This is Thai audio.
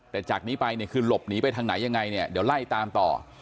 แต่จากนี้ไปคือหลบหนีไปทางไหนยังไงเดี๋ยวไล่ตามต่อ